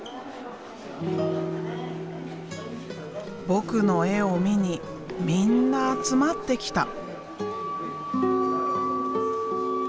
僕の絵を見にみんな集まってきた。